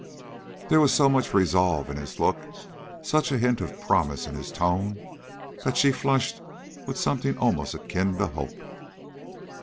There was so much resolve in his look, such a hint of promise in his tone, that she flushed with something almost akin to hope.